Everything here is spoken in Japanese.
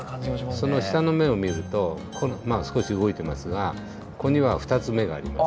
その下の芽を見るとまあ少し動いてますがここには２つ芽があります。